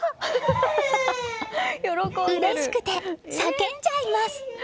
うれしくて叫んじゃいます！